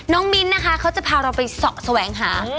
น้องมิ้นนะคะเขาจะพาเราไปสอกแสวงค่ะ